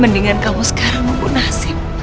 mendingan kamu sekarang menggunasip